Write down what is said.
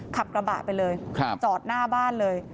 ขับกระบะไปเลยจอดหน้าบ้านเลย